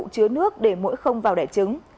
chứa nước để mũi không vào đẻ trứng